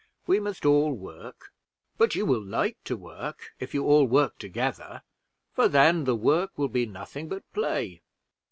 We must all work but you will like to work if you all work together, for then the work will be nothing but play.